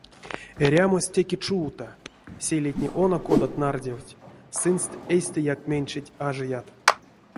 Эрямось теке чувто, селейтне оно кодат нардевть, сынст эйстэяк менчить ажият.